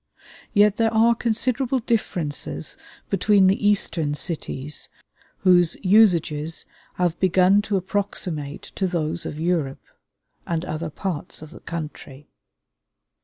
Yet there are considerable differences between the Eastern cities, whose usages have begun to approximate to those of Europe, and other parts of the country.